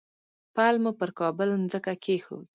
پل مو پر کابل مځکه کېښود.